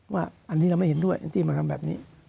ว่าอันนี้เราไม่เห็นด้วยที่มาทำแบบนี้